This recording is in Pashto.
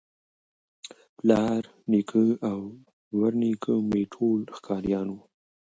پلار نیکه او ورنیکه مي ټول ښکاریان وه